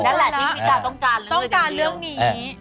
นั่นแหละที่มีการต้องการเรื่องเงินเดียว